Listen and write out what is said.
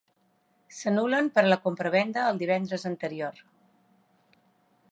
S'anul·len per a la compravenda el divendres anterior.